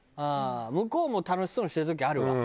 向こうも楽しそうにしてる時あるわ。